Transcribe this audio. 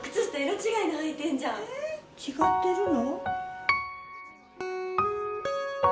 違ってるの？